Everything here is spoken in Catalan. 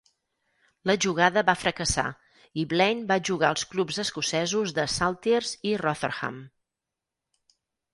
La jugada va fracassar i Blain va jugar als clubs escocesos de Saltiers i Rotherham.